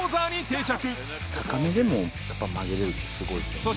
高めでもやっぱ曲げれるってすごいですよね。